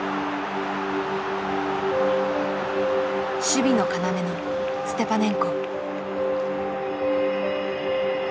守備の要のステパネンコ。